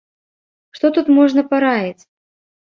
Што тут можна параіць?